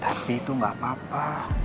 tapi itu nggak apa apa